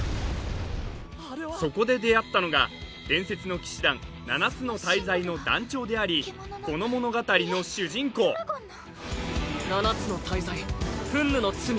そこで出会ったのが伝説の騎士団七つの大罪の団長でありこの物語の主人公七つの大罪憤怒の罪